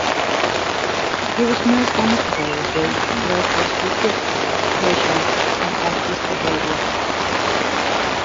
He was mostly amicable with the locals through gifts, patience and courteous behaviour.